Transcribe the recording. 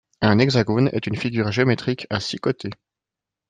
Un hexagone est une figure géométrique à six côtés.